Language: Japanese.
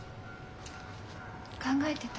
考えてた。